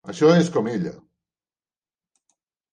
Això és com ella.